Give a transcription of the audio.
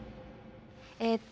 えっと